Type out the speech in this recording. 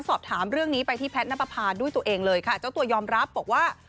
สอบถามเรื่องนี้ไปที่แพทย์นับประพาด้วยตัวเองเลยค่ะเจ้าตัวยอมรับบอกว่า